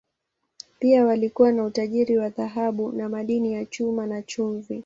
Pia walikuwa na utajiri wa dhahabu na madini ya chuma, na chumvi.